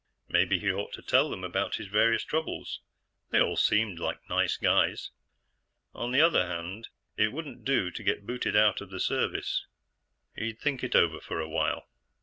Maybe he ought to tell them about his various troubles; they all seemed like nice guys. On the other hand, it wouldn't do to get booted out of the Service. He'd think it over for a while.